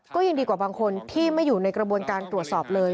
ก็ยังดีกว่าบางคนที่ไม่อยู่ในกระบวนการตรวจสอบเลย